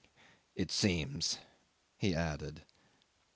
... "It seems," he added.